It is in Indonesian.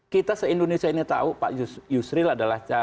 kita se indonesia ini tahu pak yusril adalah